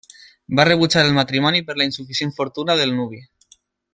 Va rebutjar el matrimoni per la insuficient fortuna del nuvi.